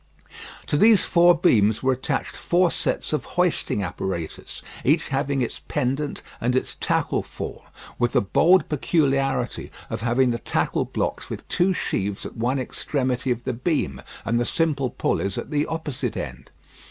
To these four beams were attached four sets of hoisting apparatus, each having its pendent and its tackle fall, with the bold peculiarity of having the tackle blocks with two sheaves at one extremity of the beam, and the simple pulleys at the opposite end.